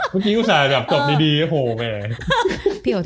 เมื่อกี้ผู้ชายแบบจบดี